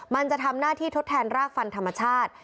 มันจะทำหน้าที่ทดแทนรากฟันธรรมชาติ